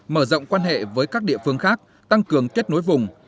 mở rộng quan hệ với các địa phương khác tăng cường kết nối vùng